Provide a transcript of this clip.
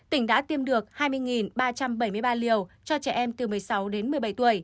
tỉnh đã tiêm được hai mươi ba trăm bảy mươi ba liều cho trẻ em từ một mươi sáu đến một mươi bảy tuổi